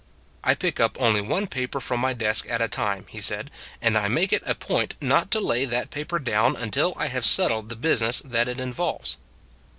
" I pick up only one paper from my desk at a time," he said, " and I make it a point not to lay that paper down until I have settled the business that it involves."